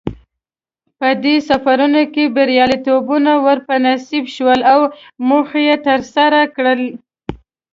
په دې سفرونو کې بریالیتوبونه ور په نصیب شول او موخې یې ترلاسه کړې.